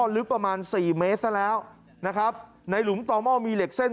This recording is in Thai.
ลึกประมาณสี่เมตรซะแล้วนะครับในหลุมต่อหม้อมีเหล็กเส้น